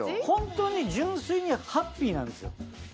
ホントに純粋にハッピーなんですよ。